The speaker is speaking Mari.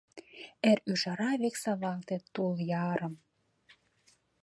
Эр ӱжара век савалте тул ярым